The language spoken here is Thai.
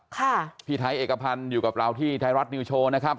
ค่ะพี่ไทยเอกพันธ์อยู่กับเราที่ไทยรัฐนิวโชว์นะครับ